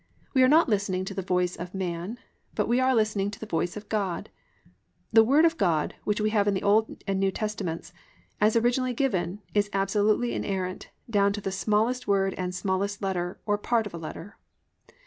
We are not listening to the voice of man, but we are listening to the voice of God. "The Word of God" which we have in the Old and New Testaments, as originally given, is absolutely inerrant down to the smallest word and smallest letter or part of a letter.